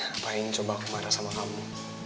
apa yang coba aku marah sama kamu